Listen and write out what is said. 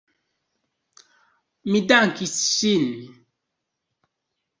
Mi dankis ŝin.